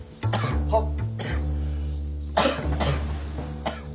はっ。